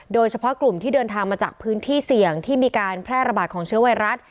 โดยเฉพาะกลุ่มที่เดินทางมาจากพื้นที่เสี่ยงที่มีการแพร่ระบาดของเชื้อไวรัส